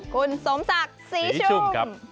คุณสมศักดิ์ศรีชุ่ม